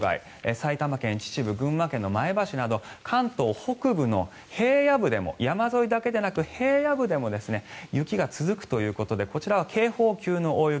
埼玉県の秩父群馬県前橋など関東北部の平野部でも山沿いだけでなく平野部でも雪が続くということでこちらは警報級の大雪。